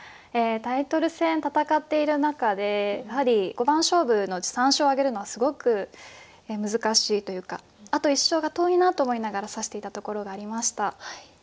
タイトル戦戦っている中でやはり五番勝負のうち３勝挙げるのはすごく難しいというかあと１勝が遠いなと思いながら指していたところがありました。